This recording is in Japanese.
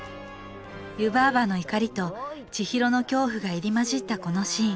湯婆婆の怒りと千尋の恐怖が入り交じったこのシーン。